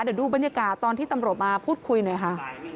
เดี๋ยวดูบรรยากาศตอนที่ตำรวจมาพูดคุยหน่อยค่ะ